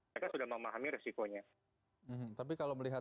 mereka sudah memahami resikonya